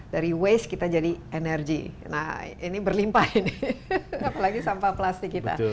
dari waste kita jadi energi nah ini berlimpah ini apalagi sampah plastik kita